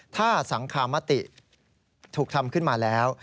ถ้าสังคมติถูกทำขึ้นมาแล้ว